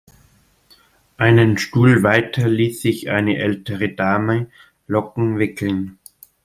Einen Stuhl weiter ließ sich eine ältere Dame Locken wickeln.